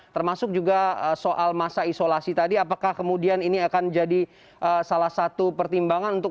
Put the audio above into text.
termasuk juga soal masa isolasi tadi apakah kemudian ini akan jadi salah satu pertimbangan untuk